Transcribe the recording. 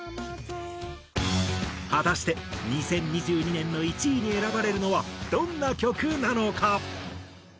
果たして２０２２年の１位に選ばれるのはどんな曲なのか？